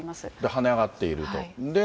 はね上がっていると。